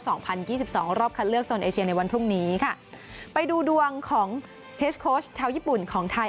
สองพันยี่สิบสองรอบคัดเลือกโซนเอเชียในวันพรุ่งนี้ค่ะไปดูดวงของเฮสโค้ชชาวญี่ปุ่นของไทย